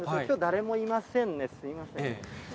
きょう、誰もいませんね、すみません。